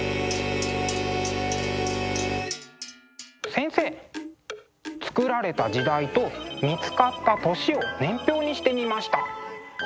先生作られた時代と見つかった年を年表にしてみました。